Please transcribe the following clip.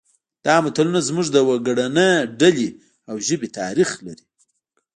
دا متلونه زموږ د وګړنۍ ډلې او ژبې تاریخ لري